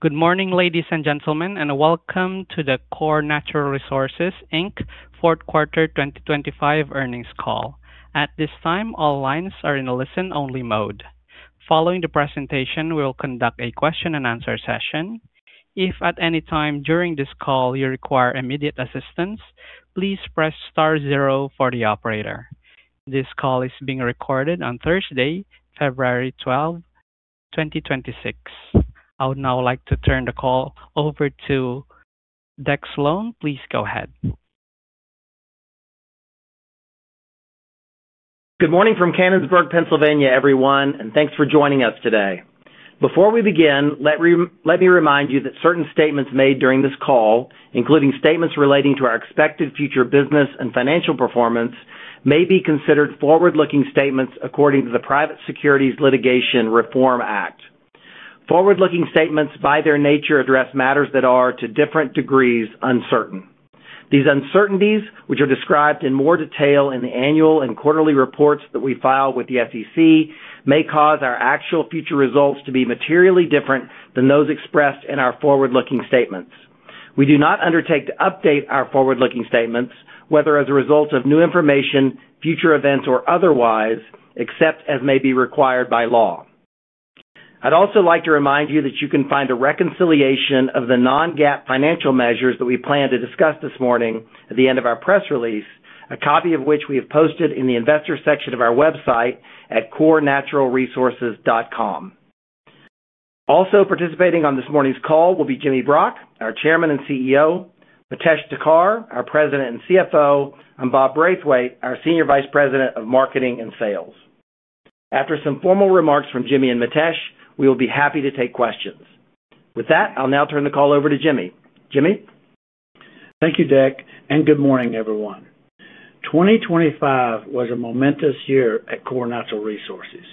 Good morning, ladies and gentlemen, and welcome to the Core Natural Resources, Inc. fourth quarter 2025 earnings call. At this time, all lines are in a listen-only mode. Following the presentation, we will conduct a question-and-answer session. If at any time during this call you require immediate assistance, please press star zero for the operator. This call is being recorded on Thursday, February 12th, 2026. I would now like to turn the call over to Deck Slone. Please go ahead. Good morning from Canonsburg, Pennsylvania, everyone, and thanks for joining us today. Before we begin, let me remind you that certain statements made during this call, including statements relating to our expected future business and financial performance, may be considered forward-looking statements according to the Private Securities Litigation Reform Act. Forward-looking statements, by their nature, address matters that are, to different degrees, uncertain. These uncertainties, which are described in more detail in the annual and quarterly reports that we file with the SEC, may cause our actual future results to be materially different than those expressed in our forward-looking statements. We do not undertake to update our forward-looking statements, whether as a result of new information, future events, or otherwise, except as may be required by law. I'd also like to remind you that you can find a reconciliation of the non-GAAP financial measures that we plan to discuss this morning at the end of our press release, a copy of which we have posted in the Investor section of our website at corenaturalresources.com. Also participating on this morning's call will be Jimmy Brock, our Chairman and CEO; Mitesh Thakkar, our President and CFO; and Bob Braithwaite, our Senior Vice President of Marketing and Sales. After some formal remarks from Jimmy and Mitesh, we will be happy to take questions. With that, I'll now turn the call over to Jimmy. Jimmy? Thank you, Deck, and good morning, everyone. 2025 was a momentous year at Core Natural Resources.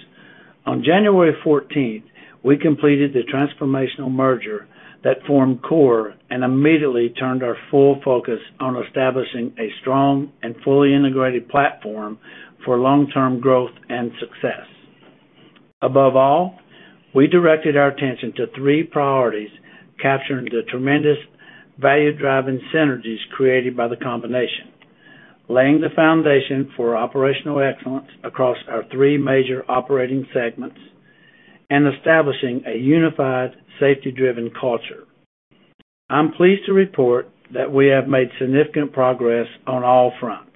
On January 14th, we completed the transformational merger that formed Core and immediately turned our full focus on establishing a strong and fully integrated platform for long-term growth and success. Above all, we directed our attention to three priorities: capturing the tremendous value-driving synergies created by the combination, laying the foundation for operational excellence across our three major operating segments, and establishing a unified safety-driven culture. I'm pleased to report that we have made significant progress on all fronts.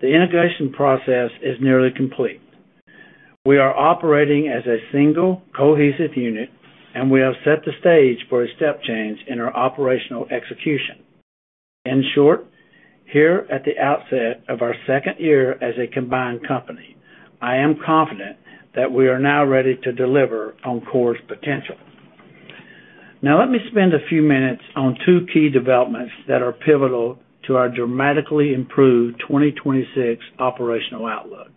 The integration process is nearly complete. We are operating as a single, cohesive unit, and we have set the stage for a step change in our operational execution. In short, here at the outset of our second year as a combined company, I am confident that we are now ready to deliver on Core's potential. Now, let me spend a few minutes on two key developments that are pivotal to our dramatically improved 2026 operational outlook.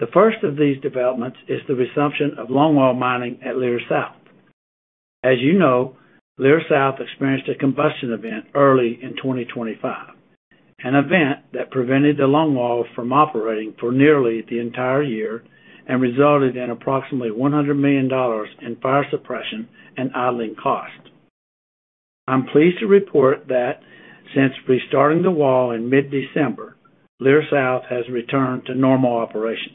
The first of these developments is the resumption of longwall mining at Leer South. As you know, Leer South experienced a combustion event early in 2025, an event that prevented the longwall from operating for nearly the entire year and resulted in approximately $100 million in fire suppression and idling costs. I'm pleased to report that since restarting the wall in mid-December, Leer South has returned to normal operations.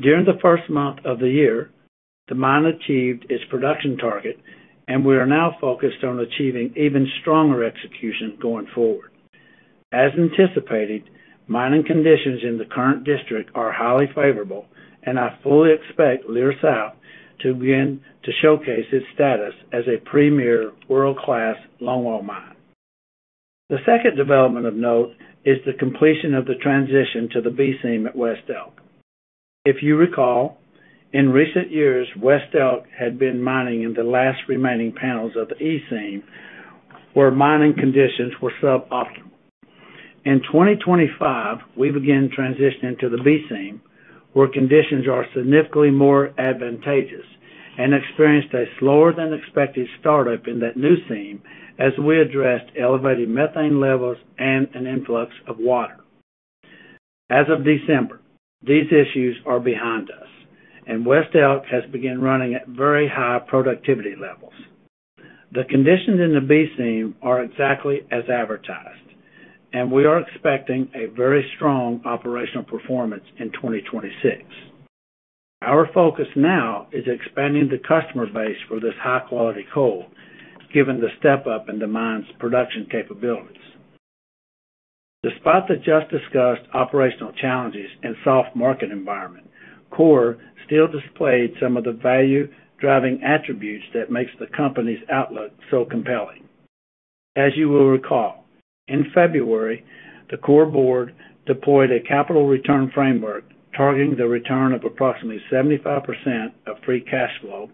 During the first month of the year, the mine achieved its production target, and we are now focused on achieving even stronger execution going forward. As anticipated, mining conditions in the current district are highly favorable, and I fully expect Leer South to begin to showcase its status as a premier world-class longwall mine. The second development of note is the completion of the transition to the B seam at West Elk. If you recall, in recent years, West Elk had been mining in the last remaining panels of the E seam, where mining conditions were suboptimal. In 2025, we began transitioning to the B seam, where conditions are significantly more advantageous, and experienced a slower-than-expected startup in that new seam as we addressed elevated methane levels and an influx of water. As of December, these issues are behind us, and West Elk has begun running at very high productivity levels. The conditions in the B seam are exactly as advertised, and we are expecting a very strong operational performance in 2026. Our focus now is expanding the customer base for this high-quality coal, given the step up in the mine's production capabilities. Despite the just-discussed operational challenges and soft market environment, Core still displayed some of the value-driving attributes that makes the company's outlook so compelling. As you will recall, in February, the Core board deployed a capital return framework targeting the return of approximately 75% of free cash flow,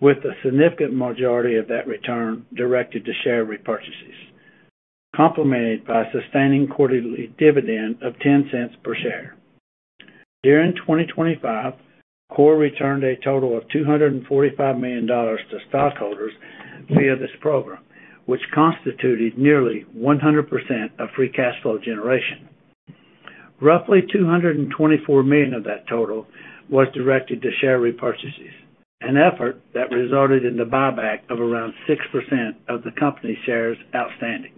with a significant majority of that return directed to share repurchases, complemented by a sustaining quarterly dividend of $0.10 per share. During 2025, Core returned a total of $245 million to stockholders via this program, which constituted nearly 100% of free cash flow generation.... Roughly $224 million of that total was directed to share repurchases, an effort that resulted in the buyback of around 6% of the company's shares outstanding.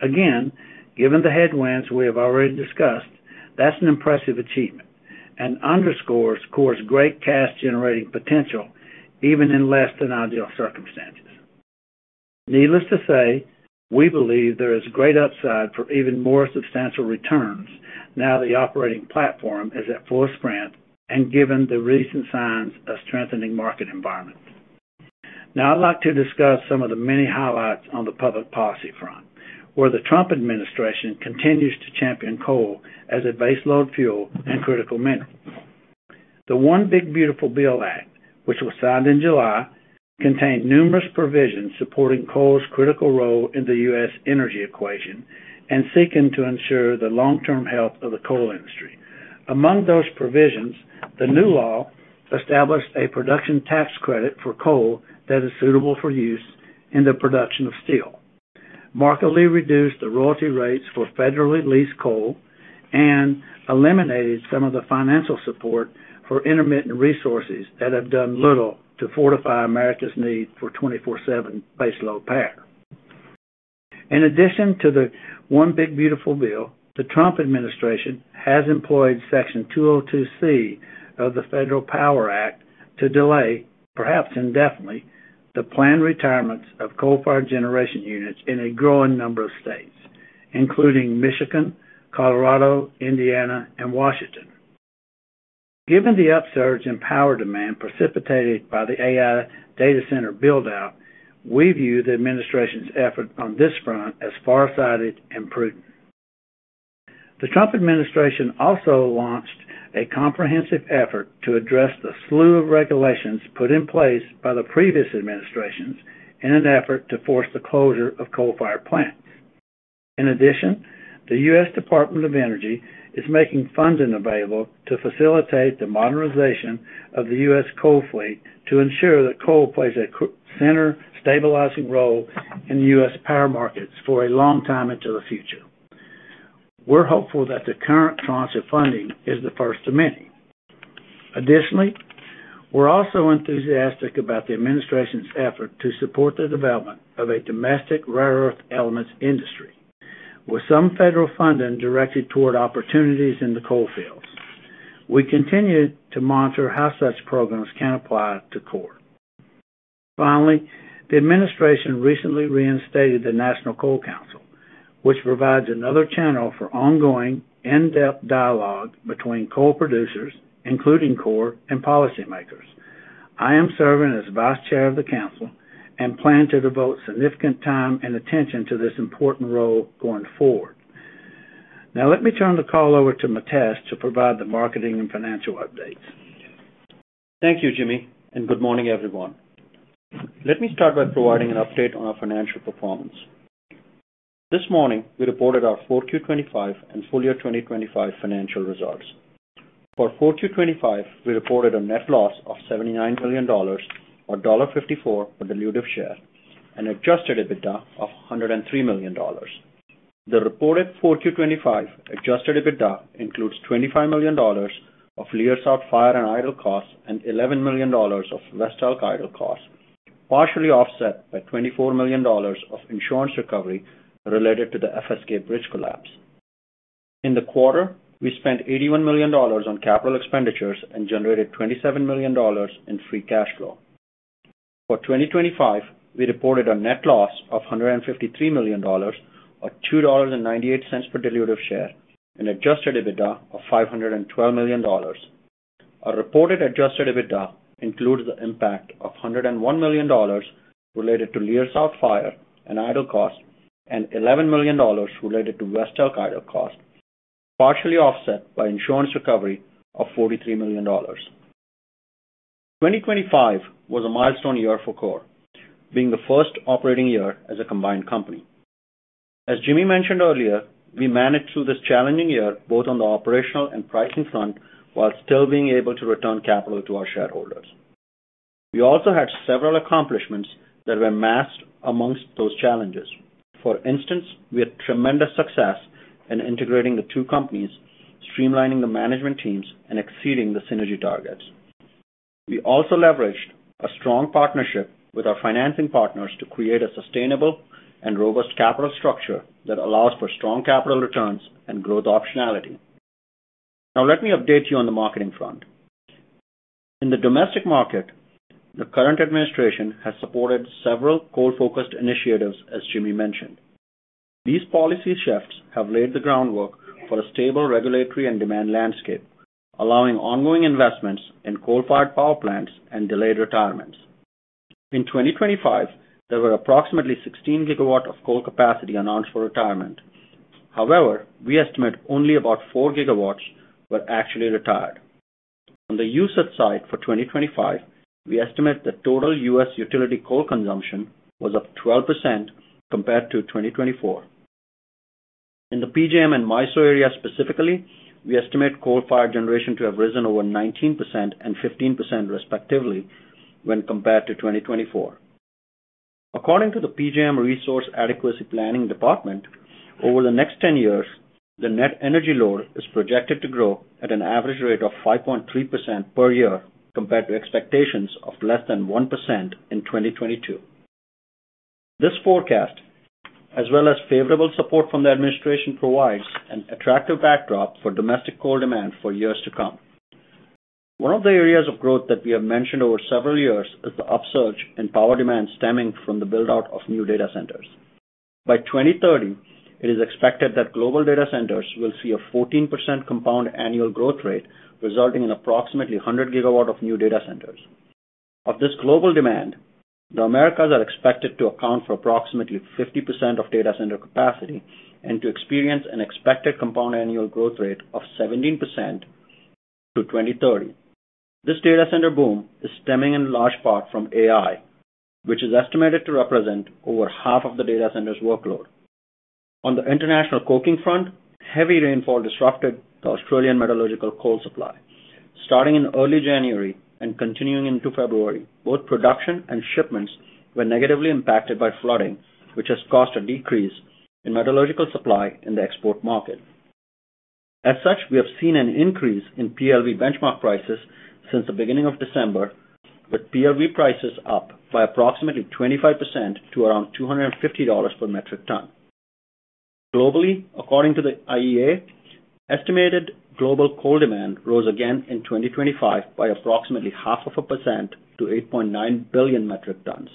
Again, given the headwinds we have already discussed, that's an impressive achievement and underscores Core's great cash-generating potential, even in less than ideal circumstances. Needless to say, we believe there is great upside for even more substantial returns now the operating platform is at full sprint and given the recent signs of strengthening market environment. Now, I'd like to discuss some of the many highlights on the public policy front, where the Trump administration continues to champion coal as a baseload fuel and critical mineral. The One Big Beautiful Bill Act, which was signed in July, contained numerous provisions supporting coal's critical role in the U.S. energy equation and seeking to ensure the long-term health of the coal industry. Among those provisions, the new law established a production tax credit for coal that is suitable for use in the production of steel, markedly reduced the royalty rates for federally leased coal, and eliminated some of the financial support for intermittent resources that have done little to fortify America's need for 24/7 baseload power. In addition to the One Big Beautiful Bill, the Trump administration has employed Section 202(c) of the Federal Power Act to delay, perhaps indefinitely, the planned retirements of coal-fired generation units in a growing number of states, including Michigan, Colorado, Indiana, and Washington. Given the upsurge in power demand precipitated by the AI data center build-out, we view the administration's effort on this front as farsighted and prudent. The Trump administration also launched a comprehensive effort to address the slew of regulations put in place by the previous administrations in an effort to force the closure of coal-fired plants. In addition, the U.S. Department of Energy is making funding available to facilitate the modernization of the U.S. coal fleet to ensure that coal plays a central stabilizing role in the U.S. power markets for a long time into the future. We're hopeful that the current tranche of funding is the first of many. Additionally, we're also enthusiastic about the administration's effort to support the development of a domestic rare earth elements industry, with some federal funding directed toward opportunities in the coal fields. We continue to monitor how such programs can apply to Core. Finally, the administration recently reinstated the National Coal Council, which provides another channel for ongoing, in-depth dialogue between coal producers, including Core, and policymakers. I am serving as vice chair of the council and plan to devote significant time and attention to this important role going forward. Now, let me turn the call over to Mitesh to provide the marketing and financial updates. Thank you, Jimmy, and good morning, everyone. Let me start by providing an update on our financial performance. This morning, we reported our Q4 2025 and full year 2025 financial results. For Q4 2025, we reported a net loss of $79 million, or $1.54 per dilutive share, and adjusted EBITDA of $103 million. The reported Q4 2025 adjusted EBITDA includes $25 million of Leer South fire and idle costs, and $11 million of West Elk idle costs, partially offset by $24 million of insurance recovery related to the FSK Bridge collapse. In the quarter, we spent $81 million on capital expenditures and generated $27 million in free cash flow. For 2025, we reported a net loss of $153 million, or $2.98 per dilutive share, and Adjusted EBITDA of $512 million. Our reported Adjusted EBITDA includes the impact of $101 million related to Leer South fire and idle costs, and $11 million related to West Elk idle costs, partially offset by insurance recovery of $43 million. 2025 was a milestone year for Core, being the first operating year as a combined company. As Jimmy mentioned earlier, we managed through this challenging year, both on the operational and pricing front, while still being able to return capital to our shareholders. We also had several accomplishments that were masked amongst those challenges. For instance, we had tremendous success in integrating the two companies, streamlining the management teams, and exceeding the synergy targets. We also leveraged a strong partnership with our financing partners to create a sustainable and robust capital structure that allows for strong capital returns and growth optionality. Now, let me update you on the marketing front. In the domestic market, the current administration has supported several coal-focused initiatives, as Jimmy mentioned. These policy shifts have laid the groundwork for a stable regulatory and demand landscape, allowing ongoing investments in coal-fired power plants and delayed retirements. In 2025, there were approximately 16 gigawatts of coal capacity announced for retirement. However, we estimate only about 4 gigawatts were actually retired. On the usage side for 2025, we estimate the total U.S. utility coal consumption was up 12% compared to 2024. In the PJM and MISO area specifically, we estimate coal-fired generation to have risen over 19% and 15%, respectively, when compared to 2024. According to the PJM Resource Adequacy Planning Department, over the next 10 years, the net energy load is projected to grow at an average rate of 5.3% per year, compared to expectations of less than 1% in 2022. This forecast, as well as favorable support from the administration, provides an attractive backdrop for domestic coal demand for years to come. One of the areas of growth that we have mentioned over several years is the upsurge in power demand stemming from the build-out of new data centers. By 2030, it is expected that global data centers will see a 14% compound annual growth rate, resulting in approximately 100 gigawatts of new data centers. Of this global demand, the Americas are expected to account for approximately 50% of data center capacity and to experience an expected compound annual growth rate of 17% to 2030. This data center boom is stemming in large part from AI, which is estimated to represent over half of the data center's workload. On the international coking front, heavy rainfall disrupted the Australian metallurgical coal supply. Starting in early January and continuing into February, both production and shipments were negatively impacted by flooding, which has caused a decrease in metallurgical supply in the export market. As such, we have seen an increase in PLV benchmark prices since the beginning of December, with PLV prices up by approximately 25% to around $250 per metric ton. Globally, according to the IEA, estimated global coal demand rose again in 2025 by approximately 0.5% to 8.9 billion metric tons.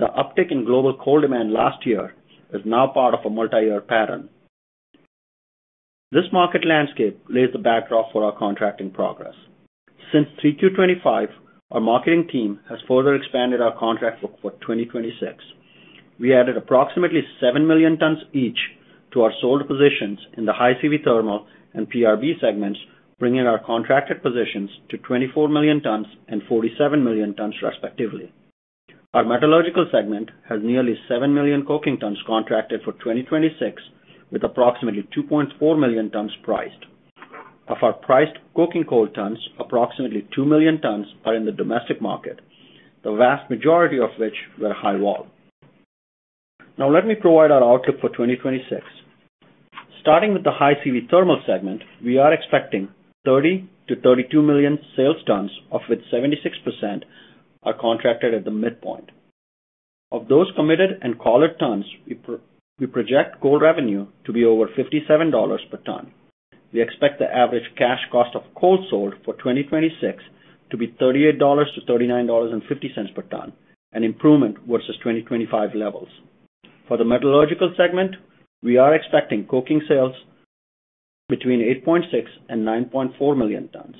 The uptick in global coal demand last year is now part of a multi-year pattern. This market landscape lays the backdrop for our contracting progress. Since 3Q 2025, our marketing team has further expanded our contract book for 2026. We added approximately 7 million tons each to our sold positions in the high CV thermal and PRB segments, bringing our contracted positions to 24 million tons and 47 million tons, respectively. Our metallurgical segment has nearly 7 million coking tons contracted for 2026, with approximately 2.4 million tons priced. Of our priced coking coal tons, approximately 2 million tons are in the domestic market, the vast majority of which were high-vol. Now, let me provide our outlook for 2026. Starting with the High CV thermal segment, we are expecting 30-32 million sales tons, of which 76% are contracted at the midpoint. Of those committed and collar tons, we project coal revenue to be over $57 per ton. We expect the average cash cost of coal sold for 2026 to be $38-$39.50 per ton, an improvement versus 2025 levels. For the metallurgical segment, we are expecting coking sales between 8.6-9.4 million tons.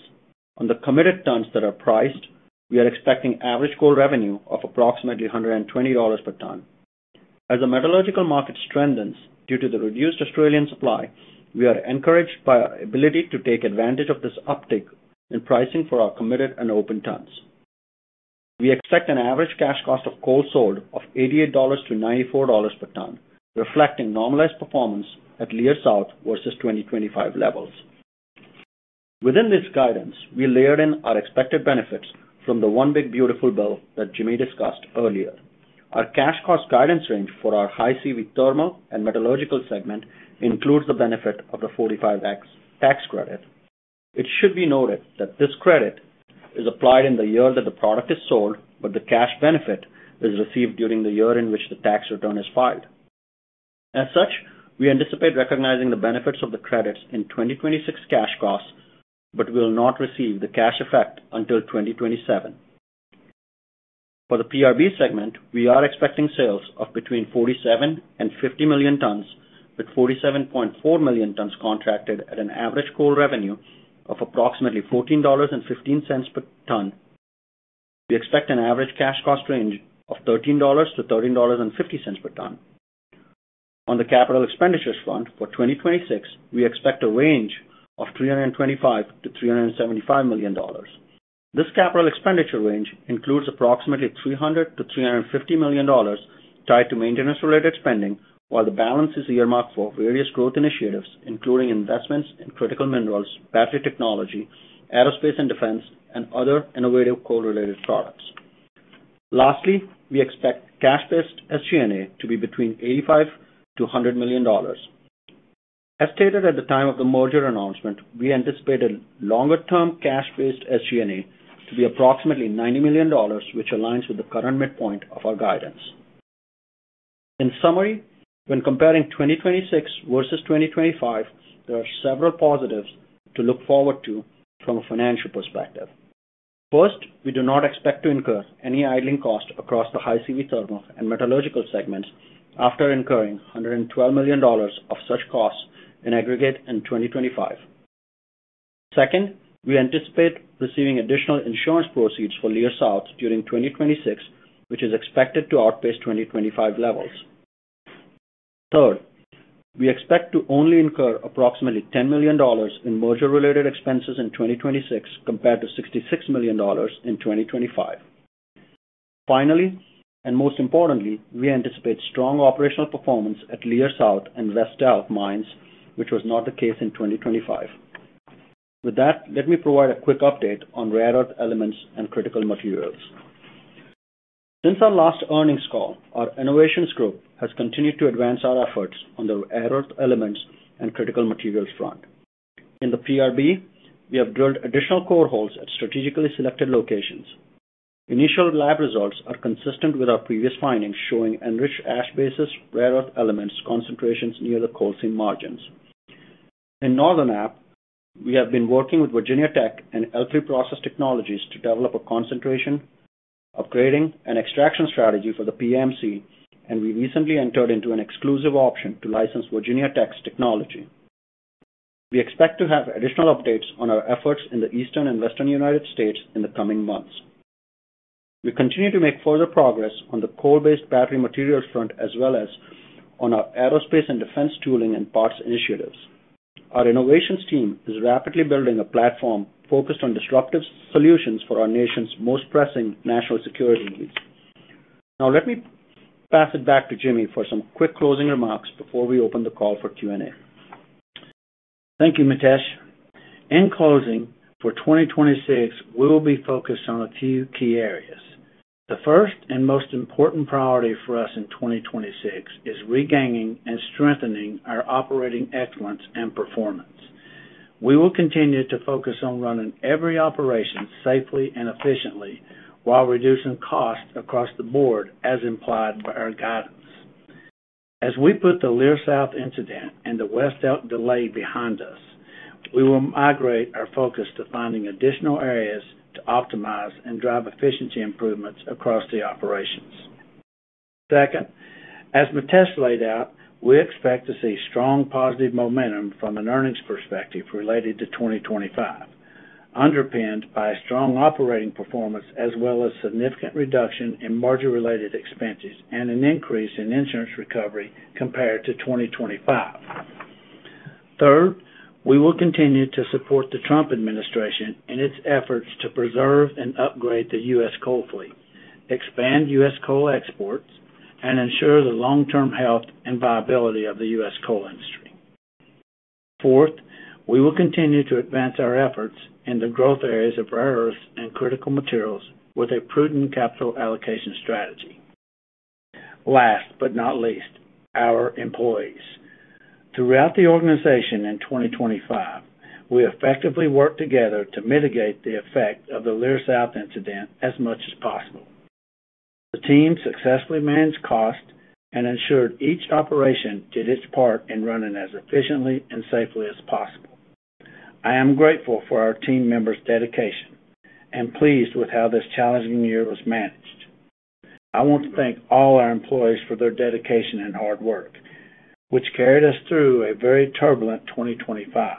On the committed tons that are priced, we are expecting average coal revenue of approximately $120 per ton. As the metallurgical market strengthens due to the reduced Australian supply, we are encouraged by our ability to take advantage of this uptick in pricing for our committed and open tons. We expect an average cash cost of coal sold of $88-$94 per ton, reflecting normalized performance at Leer South versus 2025 levels. Within this guidance, we layered in our expected benefits from the One Big Beautiful Bill that Jimmy discussed earlier. Our cash cost guidance range for our high CV thermal and metallurgical segment includes the benefit of the 45X tax credit. It should be noted that this credit is applied in the year that the product is sold, but the cash benefit is received during the year in which the tax return is filed. As such, we anticipate recognizing the benefits of the credits in 2026 cash costs, but will not receive the cash effect until 2027. For the PRB segment, we are expecting sales of between 47 and 50 million tons, with 47.4 million tons contracted at an average coal revenue of approximately $14.15 per ton. We expect an average cash cost range of $13-$13.50 per ton. On the capital expenditures front, for 2026, we expect a range of $325-$375 million. This capital expenditure range includes approximately $300-$350 million tied to maintenance-related spending, while the balance is earmarked for various growth initiatives, including investments in critical minerals, battery technology, aerospace and defense, and other innovative coal-related products. Lastly, we expect cash-based SG&A to be between $85 million-$100 million. As stated at the time of the merger announcement, we anticipate a longer-term, cash-based SG&A to be approximately $90 million, which aligns with the current midpoint of our guidance. In summary, when comparing 2026 versus 2025, there are several positives to look forward to from a financial perspective. First, we do not expect to incur any idling costs across the high CV thermal and metallurgical segments after incurring $112 million of such costs in aggregate in 2025. Second, we anticipate receiving additional insurance proceeds for Leer South during 2026, which is expected to outpace 2025 levels. Third, we expect to only incur approximately $10 million in merger-related expenses in 2026, compared to $66 million in 2025. Finally, and most importantly, we anticipate strong operational performance at Leer South and West Elk mines, which was not the case in 2025. With that, let me provide a quick update on rare earth elements and critical materials. Since our last earnings call, our innovations group has continued to advance our efforts on the rare earth elements and critical materials front. In the PRB, we have drilled additional core holes at strategically selected locations. Initial lab results are consistent with our previous findings, showing enriched ash-basis rare earth elements concentrations near the coal seam margins. In Northern App, we have been working with Virginia Tech and L3 Process Technologies to develop a concentration, upgrading, and extraction strategy for the PAMC, and we recently entered into an exclusive option to license Virginia Tech's technology. We expect to have additional updates on our efforts in the Eastern and Western United States in the coming months. We continue to make further progress on the coal-based battery materials front, as well as on our aerospace and defense tooling and parts initiatives. Our innovations team is rapidly building a platform focused on disruptive solutions for our nation's most pressing national security needs. Now, let me pass it back to Jimmy for some quick closing remarks before we open the call for Q&A. Thank you, Mitesh. In closing, for 2026, we will be focused on a few key areas. The first and most important priority for us in 2026 is regaining and strengthening our operating excellence and performance. We will continue to focus on running every operation safely and efficiently while reducing costs across the board, as implied by our guidance. As we put the Leer South incident and the West Elk delay behind us, we will migrate our focus to finding additional areas to optimize and drive efficiency improvements across the operations. Second, as Mitesh laid out, we expect to see strong positive momentum from an earnings perspective related to 2025, underpinned by strong operating performance as well as significant reduction in merger-related expenses and an increase in insurance recovery compared to 2025. Third, we will continue to support the Trump administration in its efforts to preserve and upgrade the U.S. coal fleet, expand U.S. coal exports, and ensure the long-term health and viability of the U.S. coal industry. Fourth, we will continue to advance our efforts in the growth areas of rare earths and critical materials with a prudent capital allocation strategy. Last but not least, our employees. Throughout the organization in 2025, we effectively worked together to mitigate the effect of the Leer South incident as much as possible. The team successfully managed costs and ensured each operation did its part in running as efficiently and safely as possible. I am grateful for our team members' dedication and pleased with how this challenging year was managed. I want to thank all our employees for their dedication and hard work, which carried us through a very turbulent 2025.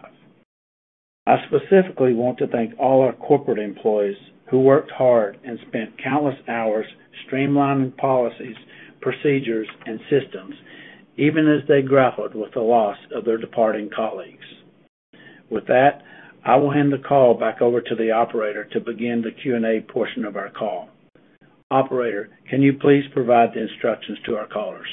I specifically want to thank all our corporate employees who worked hard and spent countless hours streamlining policies, procedures, and systems, even as they grappled with the loss of their departing colleagues. With that, I will hand the call back over to the operator to begin the Q&A portion of our call. Operator, can you please provide the instructions to our callers?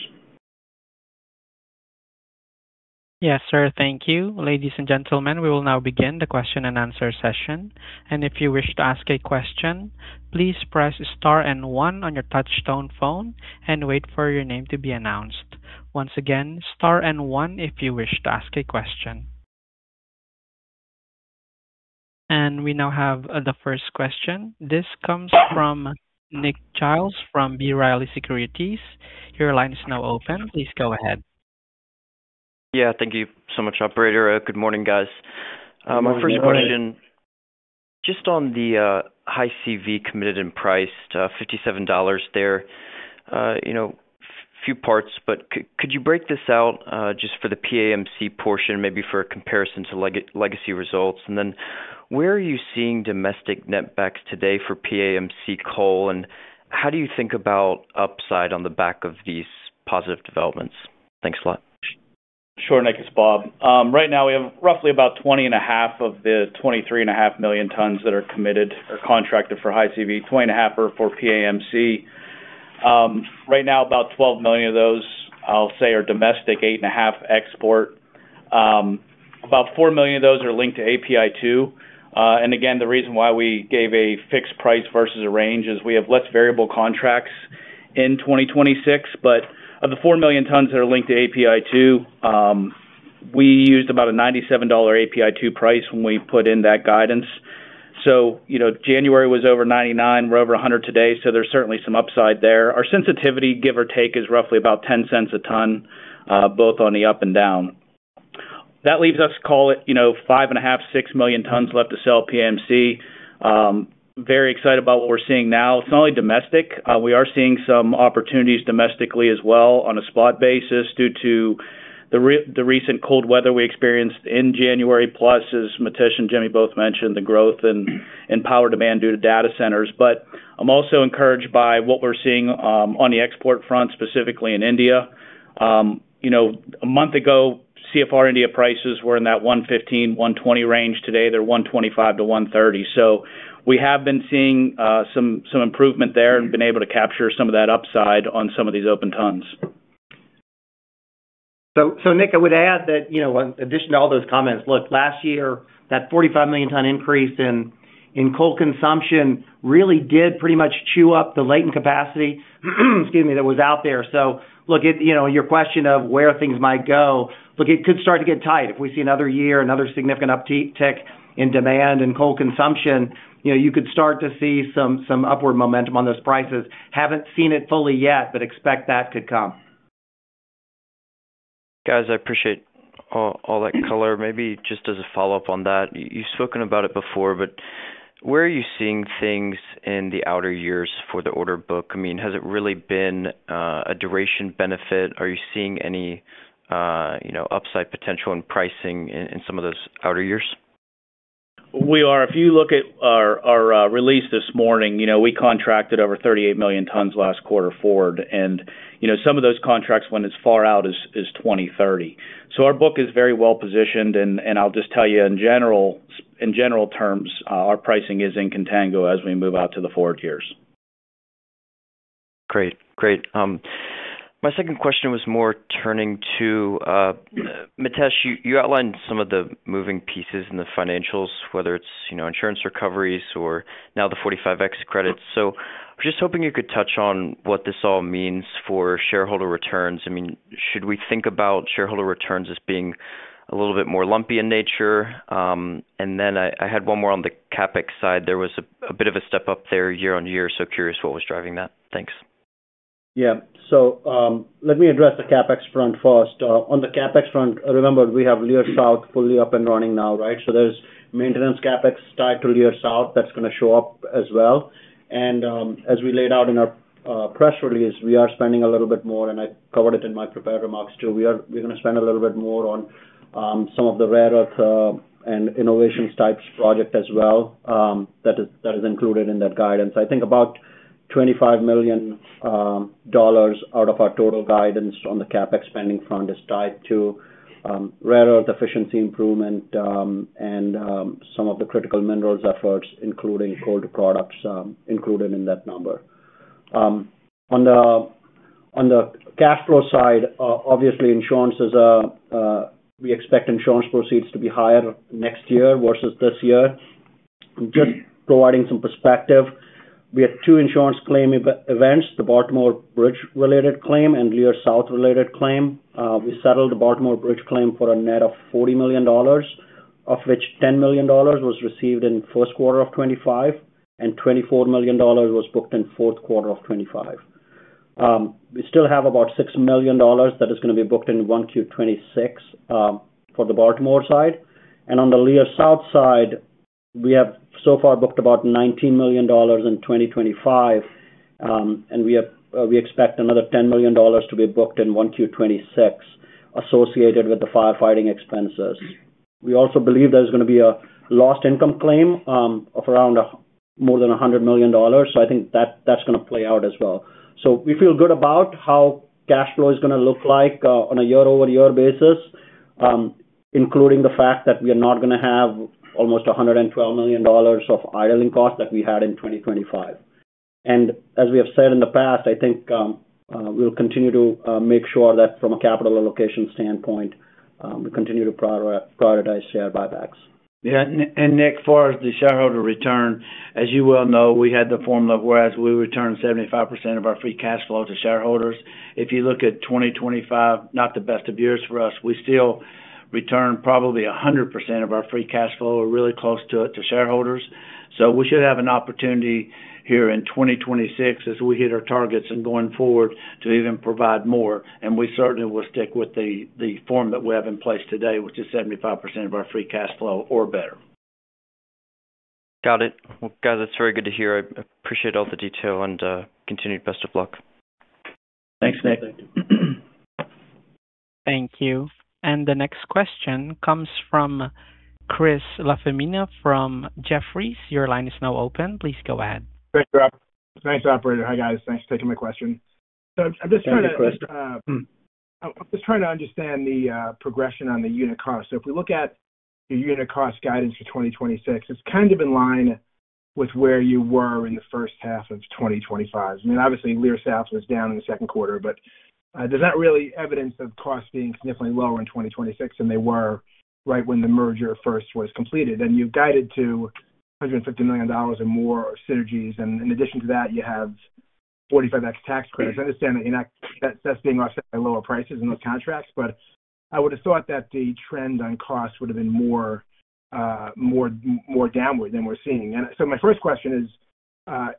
Yes, sir. Thank you. Ladies and gentlemen, we will now begin the question and answer session. If you wish to ask a question, please press star and one on your touchtone phone and wait for your name to be announced. Once again, star and one if you wish to ask a question. We now have the first question. This comes from Nick Giles from B. Riley Securities. Your line is now open. Please go ahead. Yeah, thank you so much, operator. Good morning, guys. Good morning. My first question, just on the high CV committed and priced, $57 there. You know, few parts, but could you break this out, just for the PAMC portion, maybe for a comparison to legacy results? And then where are you seeing domestic netbacks today for PAMC coal, and how do you think about upside on the back of these positive developments? Thanks a lot. Sure, Nick, it's Bob. Right now we have roughly about 20.5 of the 23.5 million tons that are committed or contracted for high CV, 20.5 are for PAMC. Right now, about 12 million of those, I'll say, are domestic, 8.5 export. About 4 million of those are linked to API2. And again, the reason why we gave a fixed price versus a range is we have less variable contracts in 2026. But of the 4 million tons that are linked to API2, we used about a $97 API2 price when we put in that guidance. So, you know, January was over $99. We're over $100 today, so there's certainly some upside there. Our sensitivity, give or take, is roughly about 10 cents a ton both on the up and down. That leaves us to call it, you know, five point five to six million tons left to sell PAMC. Very excited about what we're seeing now. It's not only domestic. We are seeing some opportunities domestically as well on a spot basis due to the recent cold weather we experienced in January. Plus, as Mitesh and Jimmy both mentioned, the growth in power demand due to data centers. But I'm also encouraged by what we're seeing on the export front, specifically in India. You know, a month ago, CFR India prices were in that $115-$120 range. Today, they're $125-$130. So we have been seeing some improvement there and been able to capture some of that upside on some of these open tons. So, so Nick, I would add that, you know, in addition to all those comments, look, last year, that 45 million ton increase in, in coal consumption really did pretty much chew up the latent capacity, excuse me, that was out there. So look, you know, your question of where things might go, look, it could start to get tight. If we see another year, another significant uptick in demand and coal consumption, you know, you could start to see some, some upward momentum on those prices. Haven't seen it fully yet, but expect that could come. Guys, I appreciate all that color. Maybe just as a follow-up on that, you've spoken about it before, but where are you seeing things in the outer years for the order book? I mean, has it really been a duration benefit? Are you seeing any, you know, upside potential in pricing in some of those outer years? We are. If you look at our release this morning, you know, we contracted over 38 million tons last quarter forward, and, you know, some of those contracts went as far out as 2030. So our book is very well positioned, and I'll just tell you in general, in general terms, our pricing is in contango as we move out to the forward years. Great. Great. My second question was more turning to, Mitesh, you outlined some of the moving pieces in the financials, whether it's, you know, insurance recoveries or now the 45X credits. So I'm just hoping you could touch on what this all means for shareholder returns. I mean, should we think about shareholder returns as being a little bit more lumpy in nature? And then I had one more on the CapEx side. There was a bit of a step up there year-on-year, so curious what was driving that. Thanks. Yeah. So, let me address the CapEx front first. On the CapEx front, remember, we have Leer South fully up and running now, right? So there's maintenance CapEx tied to Leer South. That's gonna show up as well. And, as we laid out in our press release, we are spending a little bit more, and I covered it in my prepared remarks, too. We're gonna spend a little bit more on some of the rare earth and innovation types project as well, that is included in that guidance. I think about $25 million out of our total guidance on the CapEx spending front is tied to rare earth efficiency improvement and some of the critical minerals efforts, including coal products, included in that number. On the cash flow side, obviously, insurance is, we expect insurance proceeds to be higher next year versus this year. Just providing some perspective, we had two insurance claim events, the Baltimore Bridge-related claim and Leer South-related claim. We settled the Baltimore Bridge claim for a net of $40 million, of which $10 million was received in first quarter of 2025, and $24 million was booked in fourth quarter of 2025. We still have about $6 million that is gonna be booked in 1Q 2026, for the Baltimore side. And on the Leer South side, we have so far booked about $19 million in 2025, and we expect another $10 million to be booked in 1Q 2026 associated with the firefighting expenses. We also believe there's gonna be a lost income claim of around more than $100 million, so I think that's gonna play out as well. So we feel good about how cash flow is gonna look like on a year-over-year basis, including the fact that we are not gonna have almost $112 million of idling costs that we had in 2025. And as we have said in the past, I think, we'll continue to make sure that from a capital allocation standpoint, we continue to prioritize share buybacks. Yeah, and Nick, far as the shareholder return, as you well know, we had the formula whereas we returned 75% of our Free Cash Flow to shareholders. If you look at 2025, not the best of years for us, we still returned probably 100% of our Free Cash Flow or really close to it, to shareholders. So we should have an opportunity here in 2026, as we hit our targets and going forward, to even provide more. And we certainly will stick with the form that we have in place today, which is 75% of our Free Cash Flow or better. Got it. Well, guys, that's very good to hear. I appreciate all the detail and continued best of luck. Thanks, Nick. Thank you. Thank you. The next question comes from Chris LaFemina from Jefferies. Your line is now open. Please go ahead. Thanks, Operator. Hi, guys. Thanks for taking my question. So I'm just trying to, Hi, Chris. I'm just trying to understand the progression on the unit cost. So if we look at the unit cost guidance for 2026, it's kind of in line with where you were in the first half of 2025. I mean, obviously, Leer South was down in the second quarter, but there's not really evidence of costs being significantly lower in 2026 than they were right when the merger first was completed. And you've guided to $150 million or more synergies, and in addition to that, you have 45X tax credits. I understand that that's being offset by lower prices in those contracts, but I would have thought that the trend on costs would have been more, more downward than we're seeing. My first question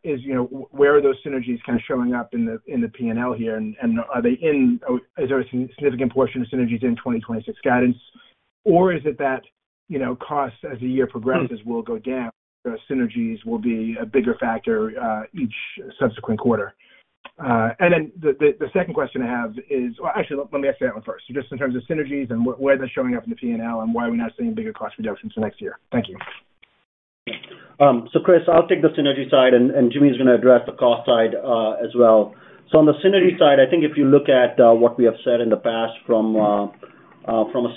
is, you know, where are those synergies kind of showing up in the P&L here? And are they in… Oh, is there a significant portion of synergies in 2026 guidance, or is it that, you know, costs as the year progresses will go down, the synergies will be a bigger factor each subsequent quarter? And then the second question I have is—well, actually, let me ask that one first. Just in terms of synergies and where they're showing up in the P&L and why are we not seeing bigger cost reductions for next year? Thank you. So Chris, I'll take the synergy side, and Jimmy is gonna address the cost side, as well. So on the synergy side, I think if you look at what we have said in the past from a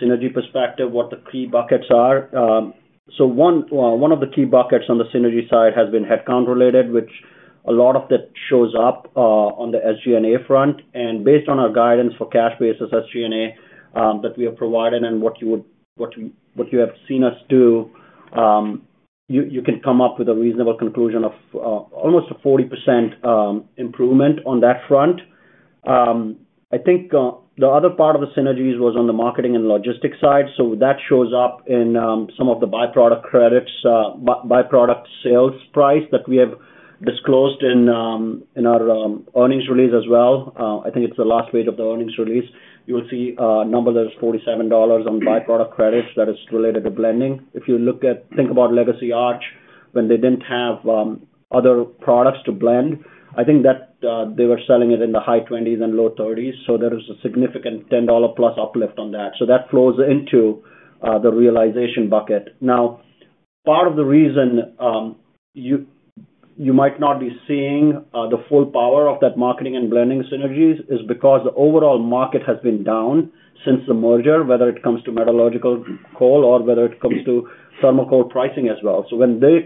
synergy perspective, what the key buckets are. So one of the key buckets on the synergy side has been headcount related, which a lot of that shows up on the SG&A front, and based on our guidance for cash basis SG&A that we have provided and what you have seen us do, you can come up with a reasonable conclusion of almost a 40% improvement on that front. I think the other part of the synergies was on the marketing and logistics side. So that shows up in some of the by-product credits, by-product sales price that we have disclosed in our earnings release as well. I think it's the last page of the earnings release. You will see a number that is $47 on by-product credits that is related to blending. If you think about legacy Arch, when they didn't have other products to blend, I think that they were selling it in the high 20s and low 30s, so there is a significant $10+ uplift on that. So that flows into the realization bucket. Now, part of the reason, you might not be seeing the full power of that marketing and blending synergies is because the overall market has been down since the merger, whether it comes to metallurgical coal or whether it comes to thermal coal pricing as well. So when they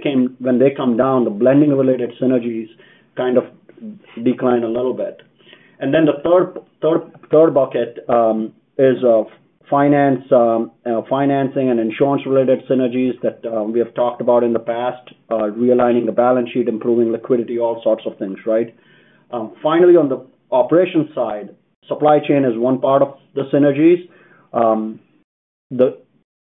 come down, the blending-related synergies kind of decline a little bit. And then the third bucket is of finance, financing and insurance-related synergies that we have talked about in the past, realigning the balance sheet, improving liquidity, all sorts of things, right? Finally, on the operations side, supply chain is one part of the synergies.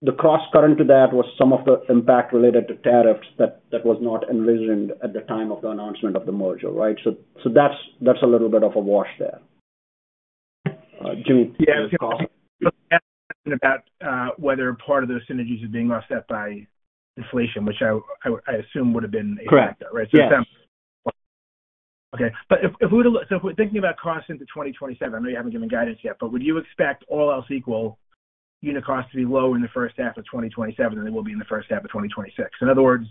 The cross current to that was some of the impact related to tariffs that was not envisioned at the time of the announcement of the merger, right? So that's a little bit of a wash there. About whether part of those synergies are being offset by inflation, which I assume would have been- Correct. Right. Yes. Okay, but if we were to look so if we're thinking about costs into 2027, I know you haven't given guidance yet, but would you expect, all else equal, unit costs to be low in the first half of 2027 than they will be in the first half of 2026? In other words,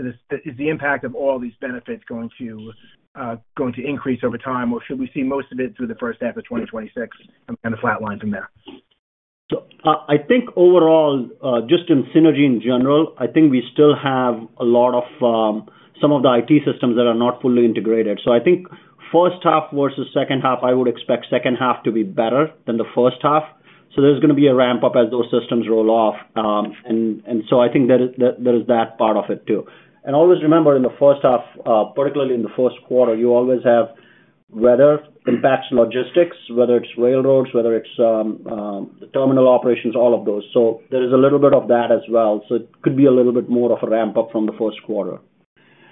is the impact of all these benefits going to increase over time, or should we see most of it through the first half of 2026 and, kind of, flatline from there? So, I think overall, just in synergy in general, I think we still have a lot of, some of the IT systems that are not fully integrated. So I think first half versus second half, I would expect second half to be better than the first half. So there's gonna be a ramp-up as those systems roll off. And so I think there is, there is that part of it too. And always remember, in the first half, particularly in the first quarter, you always have weather impacts logistics, whether it's railroads, whether it's, terminal operations, all of those. So there is a little bit of that as well. So it could be a little bit more of a ramp-up from the first quarter.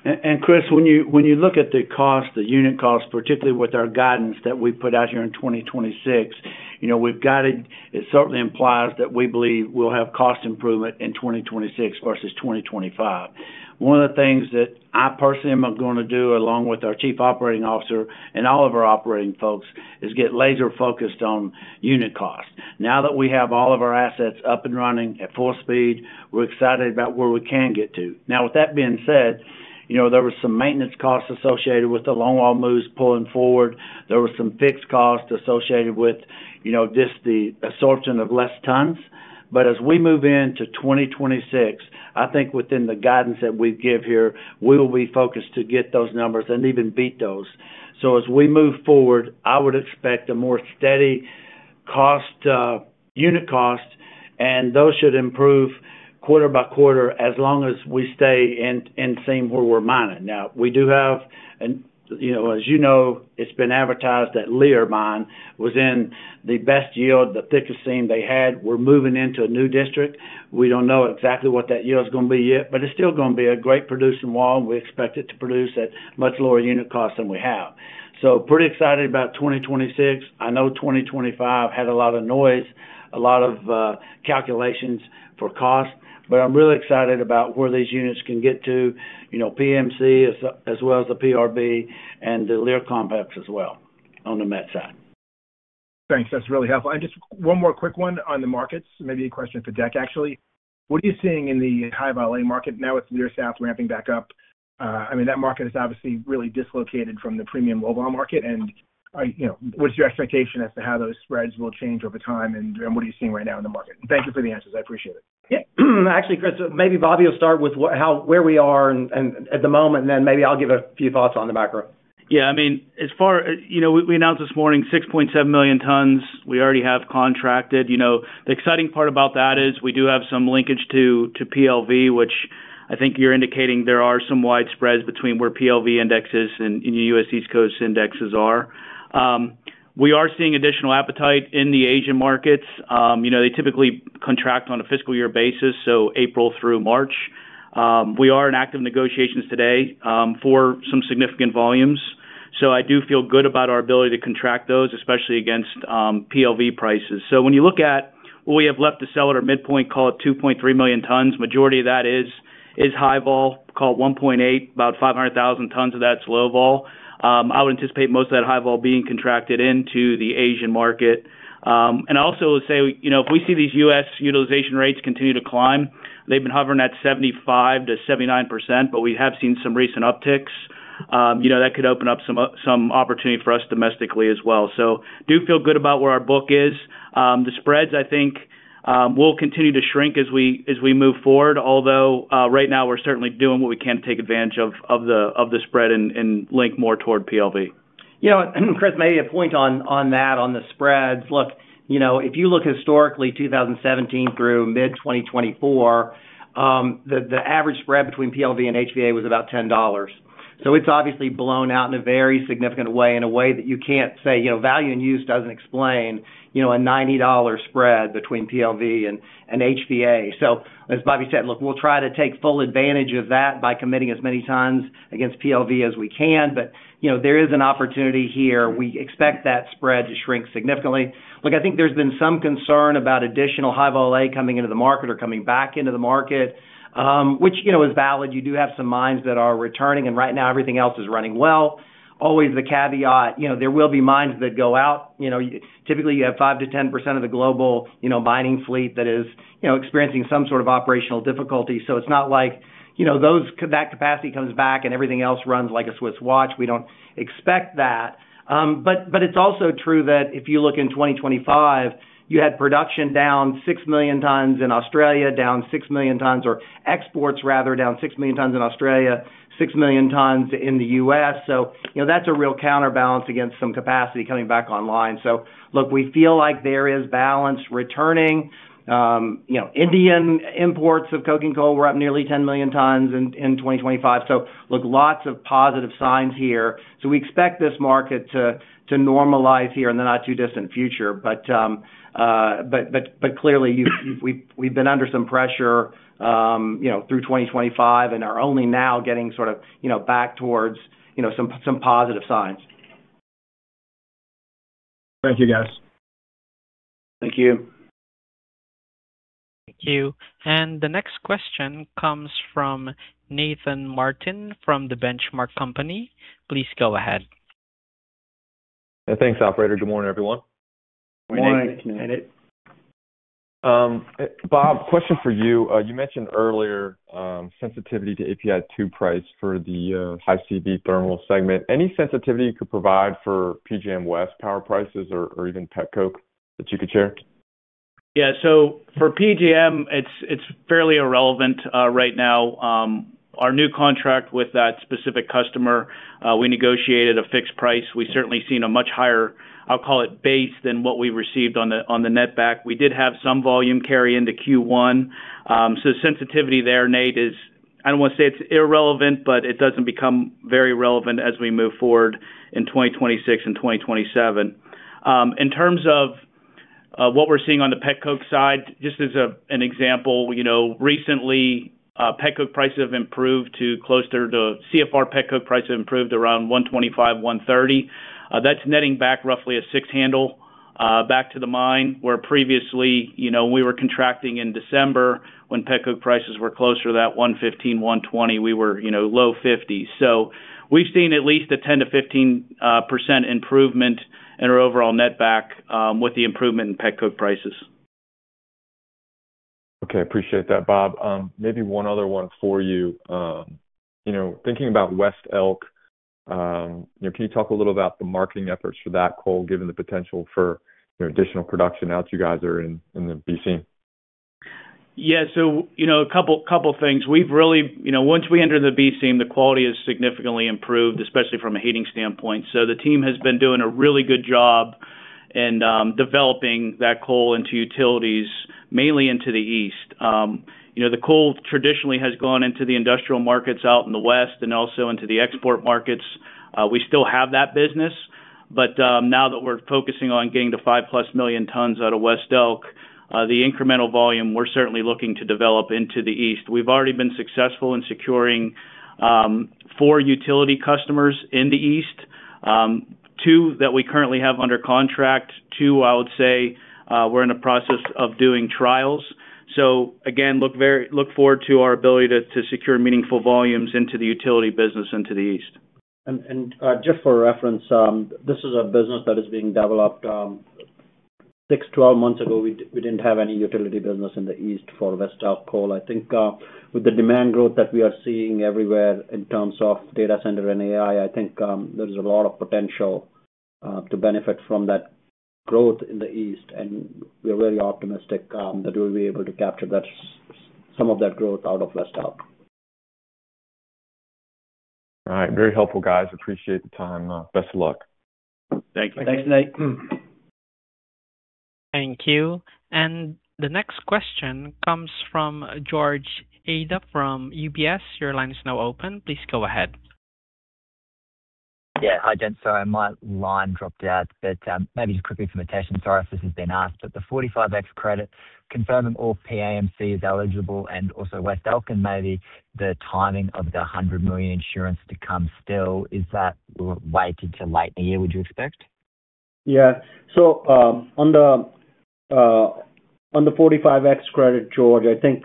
And Chris, when you, when you look at the cost, the unit cost, particularly with our guidance that we put out here in 2026, you know, we've got it. It certainly implies that we believe we'll have cost improvement in 2026 versus 2025. One of the things that I personally am gonna do, along with our Chief Operating Officer and all of our operating folks, is get laser-focused on unit cost. Now that we have all of our assets up and running at full speed, we're excited about where we can get to. Now, with that being said, you know, there was some maintenance costs associated with the longwall moves pulling forward. There was some fixed costs associated with, you know, just the assortment of less tons. But as we move into 2026, I think within the guidance that we give here, we will be focused to get those numbers and even beat those. So as we move forward, I would expect a more steady cost, unit cost, and those should improve quarter by quarter as long as we stay in, in the same where we're mining. Now, we do have, you know, as you know, it's been advertised that Leer Mine was in the best yield, the thickest seam they had. We're moving into a new district. We don't know exactly what that yield is gonna be yet, but it's still gonna be a great producing wall. We expect it to produce at much lower unit cost than we have. So pretty excited about 2026. I know 2025 had a lot of noise, a lot of calculations for cost, but I'm really excited about where these units can get to, you know, PMC as, as well as the PRB and the Leer complex as well, on the met side. Thanks. That's really helpful. Just one more quick one on the markets, maybe a question for Deck, actually. What are you seeing in the high-volume market now with Leer South ramping back up? I mean, that market is obviously really dislocated from the premium overall market, and, you know, what's your expectation as to how those spreads will change over time, and, and what are you seeing right now in the market? Thank you for the answers. I appreciate it. Yeah. Actually, Chris, maybe Bobby will start with what, how, where we are and at the moment, and then maybe I'll give a few thoughts on the macro. Yeah, I mean, as far... You know, we announced this morning 6.7 million tons. We already have contracted. You know, the exciting part about that is we do have some linkage to PLV, which I think you're indicating there are some wide spreads between where PLV indexes and the U.S. East Coast indexes are. We are seeing additional appetite in the Asian markets. You know, they typically contract on a fiscal year basis, so April through March. We are in active negotiations today for some significant volumes, so I do feel good about our ability to contract those, especially against PLV prices. So when you look at what we have left to sell at our midpoint, call it 2.3 million tons, majority of that is high vol, call it 1.8, about 500,000 tons of that's low vol. I would anticipate most of that high vol being contracted into the Asian market. And I also will say, you know, if we see these U.S. utilization rates continue to climb, they've been hovering at 75%-79%, but we have seen some recent upticks. You know, that could open up some some opportunity for us domestically as well. So do feel good about where our book is. The spreads, I think we'll continue to shrink as we move forward, although right now we're certainly doing what we can to take advantage of the spread and link more toward PLV. You know, Chris, maybe a point on that, on the spreads. Look, you know, if you look historically, 2017 through mid-2024, the average spread between PLV and HVA was about $10. So it's obviously blown out in a very significant way, in a way that you can't say, you know, value and use doesn't explain, you know, a $90 spread between PLV and HVA. So as Bobby said, look, we'll try to take full advantage of that by committing as many times against PLV as we can. But, you know, there is an opportunity here. We expect that spread to shrink significantly. Look, I think there's been some concern about additional High-Vol A coming into the market or coming back into the market, which, you know, is valid. You do have some mines that are returning, and right now everything else is running well. Always the caveat, you know, there will be mines that go out. You know, typically, you have 5%-10% of the global, you know, mining fleet that is, you know, experiencing some sort of operational difficulty. So it's not like, you know, those that capacity comes back, and everything else runs like a Swiss watch. We don't expect that. But it's also true that if you look in 2025, you had production down 6 million tons in Australia, down 6 million tons, or exports rather, down 6 million tons in Australia, 6 million tons in the U.S. So, you know, that's a real counterbalance against some capacity coming back online. So look, we feel like there is balance returning. You know, Indian imports of coking coal were up nearly 10 million tons in 2025. So look, lots of positive signs here. So we expect this market to normalize here in the not-too-distant future. But clearly, we've been under some pressure, you know, through 2025 and are only now getting sort of, you know, back towards, you know, some positive signs. Thank you, guys. Thank you. Thank you. The next question comes from Nathan Martin from the Benchmark Company. Please go ahead. Yeah, thanks, operator. Good morning, everyone. Good morning, Nate. Good morning. Bob, question for you. You mentioned earlier, sensitivity to API2 price for the High CV Thermal segment. Any sensitivity you could provide for PJM West power prices or even Pet Coke that you could share? Yeah. So for PJM, it's fairly irrelevant right now. Our new contract with that specific customer, we negotiated a fixed price. We've certainly seen a much higher, I'll call it, base than what we received on the net back. We did have some volume carry into Q1. So sensitivity there, Nate, is I don't want to say it's irrelevant, but it doesn't become very relevant as we move forward in 2026 and 2027. In terms of what we're seeing on the pet coke side, just as an example, you know, recently pet coke prices have improved to closer to - CFR pet coke prices have improved around $125-$130. That's netting back roughly a six handle back to the mine, where previously, you know, we were contracting in December when Pet Coke prices were closer to that $115, $120, we were, you know, low $50s. So we've seen at least a 10%-15% improvement in our overall net back with the improvement in Pet Coke prices. Okay, appreciate that, Bob. Maybe one other one for you. You know, thinking about West Elk, you know, can you talk a little about the marketing efforts for that coal, given the potential for, you know, additional production now that you guys are in, in the B seam? Yeah, so, you know, a couple things. You know, once we entered the B Seam, the quality has significantly improved, especially from a heating standpoint. So the team has been doing a really good job in developing that coal into utilities, mainly into the east. You know, the coal traditionally has gone into the industrial markets out in the West and also into the export markets. We still have that business, but now that we're focusing on getting the 5+ million tons out of West Elk, the incremental volume, we're certainly looking to develop into the east. We've already been successful in securing 4 utility customers in the east, 2 that we currently have under contract. Two, I would say, we're in the process of doing trials. So again, look forward to our ability to secure meaningful volumes into the utility business into the east. Just for reference, this is a business that is being developed. Six to twelve months ago, we didn't have any utility business in the east for West Elk coal. I think, with the demand growth that we are seeing everywhere in terms of data center and AI, I think, there is a lot of potential, to benefit from that growth in the east, and we're very optimistic, that we'll be able to capture that, some of that growth out of West Elk. All right. Very helpful, guys. Appreciate the time. Best of luck. Thanks. Thanks, Nate. Thank you. And the next question comes from George Eadie from UBS. Your line is now open. Please go ahead. Yeah. Hi, gents. Sorry, my line dropped out, but maybe just quickly from Mitesh, and sorry if this has been asked, but the 45X credit, confirming all PAMC is eligible and also West Elk and maybe the timing of the $100 million insurance to come. Still, is that weighted to late in the year, would you expect? Yeah. So, on the 45X credit, George, I think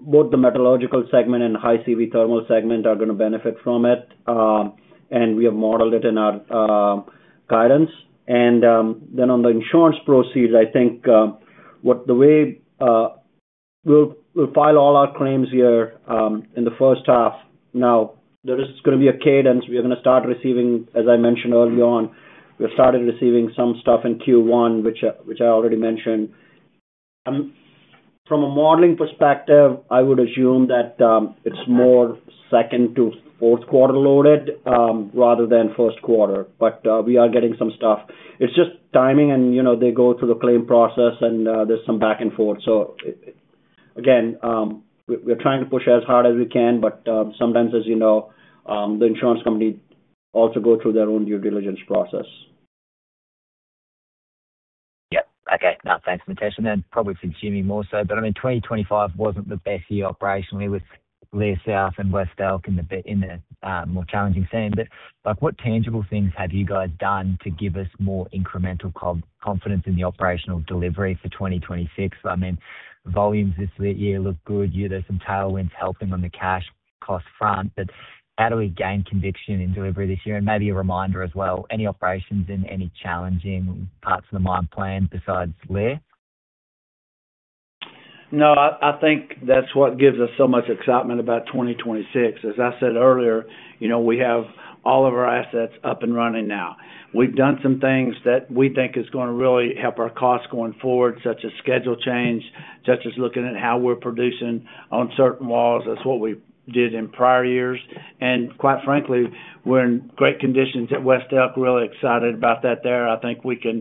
both the metallurgical segment and the High CV Thermal segment are gonna benefit from it. And we have modeled it in our guidance. And then on the insurance proceeds, I think what the way we'll file all our claims here in the first half. Now, there is gonna be a cadence. We are gonna start receiving, as I mentioned early on, we've started receiving some stuff in Q1, which I already mentioned. From a modeling perspective, I would assume that it's more second to fourth quarter loaded rather than first quarter, but we are getting some stuff. It's just timing, and, you know, they go through the claim process and there's some back and forth. So again, we're trying to push as hard as we can, but sometimes, as you know, the insurance company also go through their own due diligence process. Yeah. Okay. Now, thanks, Mitesh, and then probably for Jimmy more so, but I mean, 2025 wasn't the best year operationally with Leer South and West Elk in the more challenging scene. But, like, what tangible things have you guys done to give us more incremental confidence in the operational delivery for 2026? I mean, volumes this year look good. Yeah, there's some tailwinds helping on the cash cost front, but how do we gain conviction in delivery this year? And maybe a reminder as well, any operations in any challenging parts of the mine plan besides Leer? No, I, I think that's what gives us so much excitement about 2026. As I said earlier, you know, we have all of our assets up and running now. We've done some things that we think is gonna really help our costs going forward, such as schedule change, such as looking at how we're producing on certain walls. That's what we did in prior years, and quite frankly, we're in great conditions at West Elk. Really excited about that there. I think we can,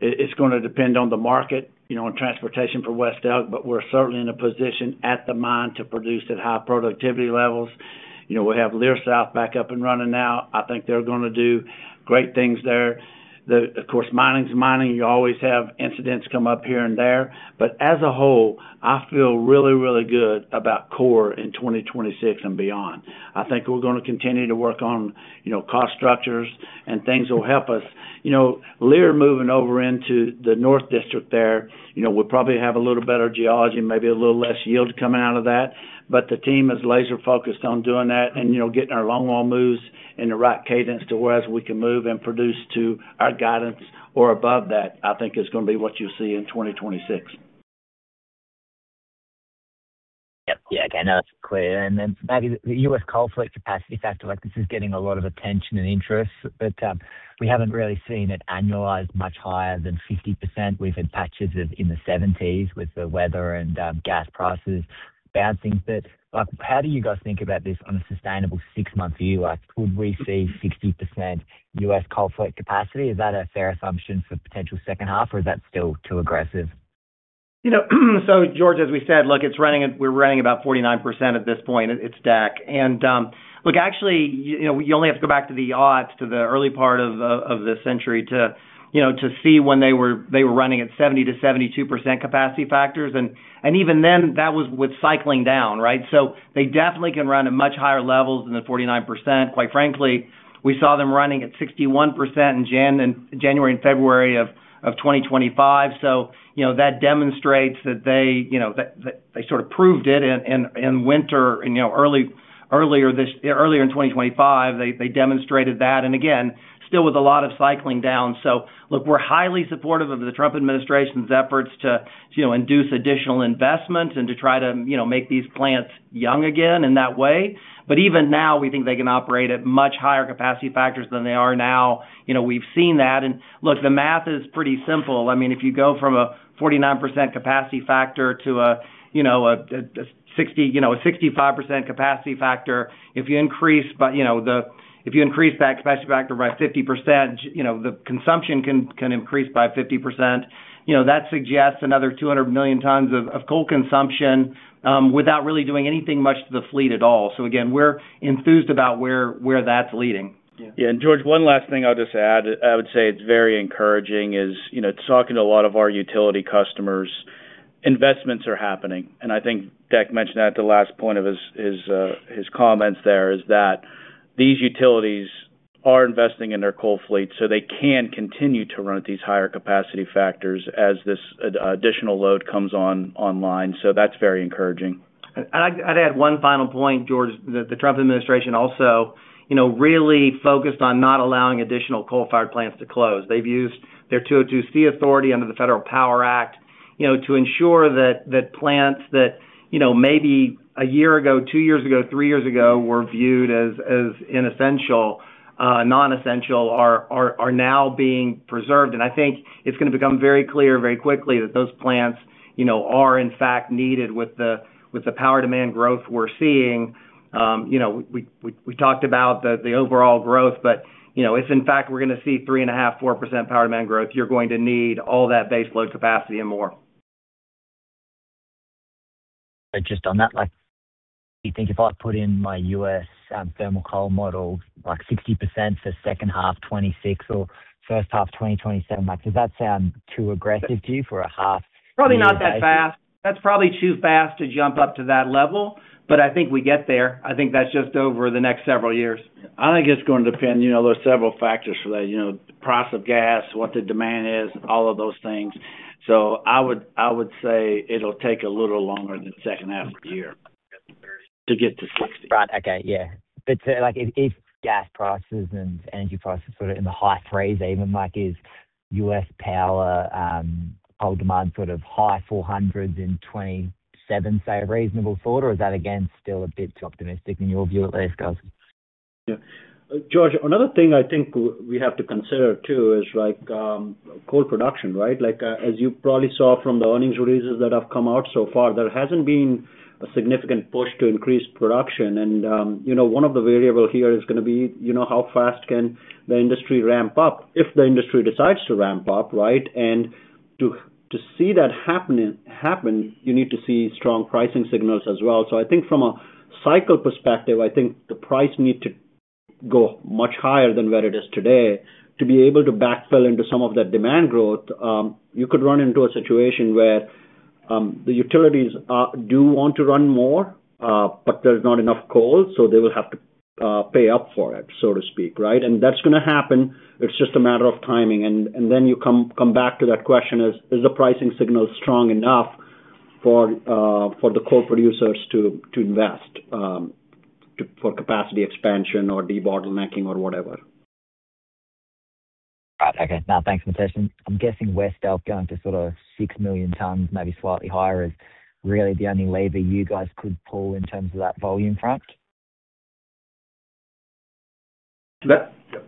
it, it's gonna depend on the market, you know, and transportation for West Elk, but we're certainly in a position at the mine to produce at high productivity levels. You know, we have Leer South back up and running now. I think they're gonna do great things there. The, of course, mining is mining. You always have incidents come up here and there. But as a whole, I feel really, really good about Core in 2026 and beyond. I think we're gonna continue to work on, you know, cost structures and things that will help us. You know, Leer moving over into the North District there, you know, we'll probably have a little better geology and maybe a little less yield coming out of that, but the team is laser-focused on doing that and, you know, getting our longwall moves in the right cadence to where as we can move and produce to our guidance or above that, I think is gonna be what you see in 2026. Yep. Yeah, okay. No, that's clear. And then maybe the U.S. coal fleet capacity factor, like, this is getting a lot of attention and interest, but, we haven't really seen it annualized much higher than 50%. We've had patches of in the 70s with the weather and, gas prices bouncing. But, like, how do you guys think about this on a sustainable six-month view? Like, could we see 60% U.S. coal fleet capacity? Is that a fair assumption for potential second half, or is that still too aggressive? You know, so, George, as we said, look, it's running at—we're running about 49% at this point, it's Deck. And, look, actually, you know, you only have to go back to the odds, to the early part of of the century to, you know, to see when they were, they were running at 70%-72% capacity factors. And, and even then, that was with cycling down, right? So they definitely can run at much higher levels than the 49%. Quite frankly, we saw them running at 61% in January and February of 2025. So, you know, that demonstrates that they, you know, that, that they sort of proved it in winter, and, you know, earlier in 2025, they, they demonstrated that, and again, still with a lot of cycling down. So look, we're highly supportive of the Trump administration's efforts to, to, you know, induce additional investment and to try to, you know, make these plants young again in that way. But even now, we think they can operate at much higher capacity factors than they are now. You know, we've seen that, and look, the math is pretty simple. I mean, if you go from a 49% capacity factor to a, you know, a, a 60, you know, a 65% capacity factor, if you increase by, you know, the-- if you increase that capacity factor by 50%, you know, the consumption can, can increase by 50%. You know, that suggests another 200 million tons of, of coal consumption, without really doing anything much to the fleet at all. So again, we're enthused about where, where that's leading. Yeah, and, George, one last thing I'll just add, I would say it's very encouraging is, you know, talking to a lot of our utility customers, investments are happening, and I think Deck mentioned that at the last point of his comments there, is that these utilities are investing in their coal fleet, so they can continue to run at these higher capacity factors as this additional load comes online. So that's very encouraging. And I'd add one final point, George. The Trump administration also, you know, really focused on not allowing additional coal-fired plants to close. They've used their 202(c) authority under the Federal Power Act, you know, to ensure that plants that, you know, maybe a year ago, two years ago, three years ago, were viewed as inessential, non-essential, are now being preserved. And I think it's gonna become very clear, very quickly that those plants, you know, are in fact needed with the power demand growth we're seeing. You know, we talked about the overall growth, but, you know, if in fact, we're gonna see 3.5%-4% power demand growth, you're going to need all that base load capacity and more. Just on that, like, you think if I put in my U.S. thermal coal model, like 60% for second half 2026 or first half 2027, like, does that sound too aggressive to you for a half? Probably not that fast. That's probably too fast to jump up to that level, but I think we get there. I think that's just over the next several years. I think it's gonna depend, you know, there are several factors for that. You know, the price of gas, what the demand is, all of those things. So I would, I would say it'll take a little longer than the second half of the year. [inaudible] Right. Okay. Yeah. But, like, if, if gas prices and energy prices sort of in the high 3s, even like, is U.S. power coal demand sort of high 400s in 2027, say, a reasonable thought? Or is that, again, still a bit too optimistic in your view, at least, guys? Yeah. George, another thing I think we have to consider, too, is like, coal production, right? Like, as you probably saw from the earnings releases that have come out so far, there hasn't been a significant push to increase production, and, you know, one of the variable here is gonna be, you know, how fast can the industry ramp up, if the industry decides to ramp up, right? And to see that happening, you need to see strong pricing signals as well. So I think from a cycle perspective, I think the price need to go much higher than where it is today to be able to backfill into some of that demand growth. You could run into a situation where the utilities do want to run more, but there's not enough coal, so they will have to pay up for it, so to speak, right? And that's gonna happen. It's just a matter of timing. And then you come back to that question: is the pricing signal strong enough for the coal producers to invest for capacity expansion or debottlenecking or whatever? Right. Okay. Now, thanks, Mitesh. I'm guessing West Elk going to sort of 6 million tons, maybe slightly higher, is really the only lever you guys could pull in terms of that volume front. That... Yep.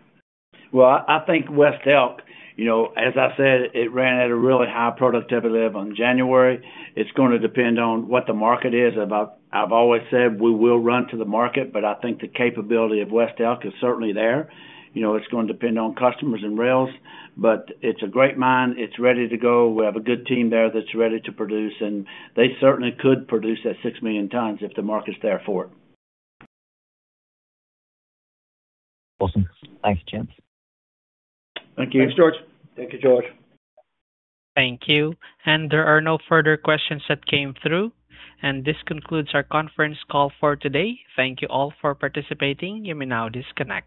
Well, I, I think West Elk, you know, as I said, it ran at a really high productivity level in January. It's gonna depend on what the market is. About-- I've always said, we will run to the market, but I think the capability of West Elk is certainly there. You know, it's gonna depend on customers and rails, but it's a great mine. It's ready to go. We have a good team there that's ready to produce, and they certainly could produce that 6 million tons if the market is there for it. Awesome. Thanks, James. Thank you. Thanks, George. Thank you, George. Thank you. There are no further questions that came through, and this concludes our conference call for today. Thank you all for participating. You may now disconnect.